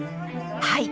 はい。